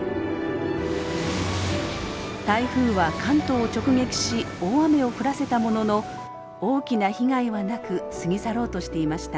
台風は関東を直撃し大雨を降らせたものの大きな被害はなく過ぎ去ろうとしていました。